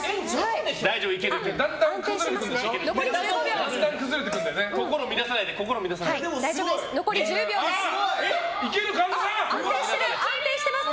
だんだん崩れてくるんでしょ。